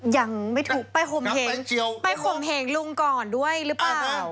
ยังไม่ถูกไปคมเหงลงก่อนด้วยหรือเปล่า